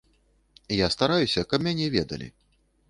Я стараюся, каб мяне ведалі.